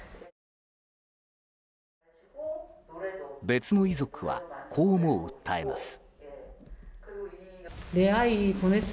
別の遺族は、こうも訴えます。